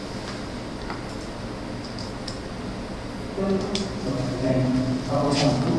Abortion, even for therapeutic reasons, is absolutely forbidden, as is sterilization, even if temporary.